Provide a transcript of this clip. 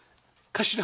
頭。